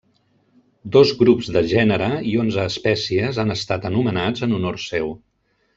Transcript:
Dos grups de gènere i onze espècies han estat anomenats en honor seu.